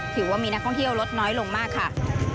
ถือว่ามีนักท่องเที่ยวลดน้อยลงมากค่ะ